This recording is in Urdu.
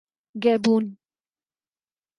گیبون